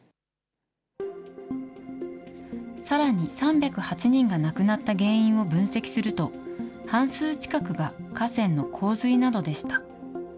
さらに３０８人が亡くなった原因を分析すると、半数近くが河川の洪水などでした。